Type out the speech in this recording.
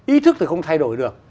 ý thức thì không thay đổi được